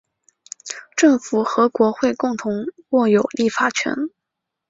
政府和国会共同握有立法权。